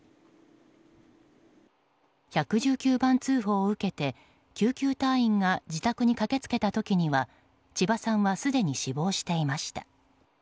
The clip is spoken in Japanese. １１９番通報を受けて救急隊員が自宅に駆けつけた時には千葉さんはすでに死亡していました。